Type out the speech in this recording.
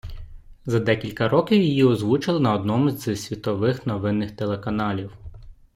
За декілька років її озвучили на одному з світових новинних телеканалів.